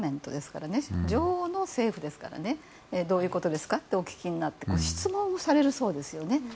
女王の政府ですからどういうことですかってお聞きになって質問されるそうですよね。